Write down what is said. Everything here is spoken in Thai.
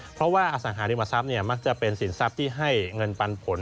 เพราะว่าอสังหาริมทรัพย์มักจะเป็นสินทรัพย์ที่ให้เงินปันผล